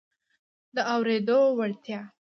د اورېدو وړتیا